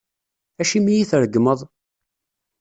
Acimi i yi-treggmeḍ?